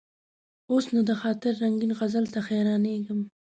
اوس نو: د خاطر رنګین غزل ته حیرانېږم.